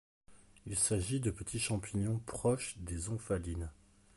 Il s'agit de petits champignons proches des omphalines.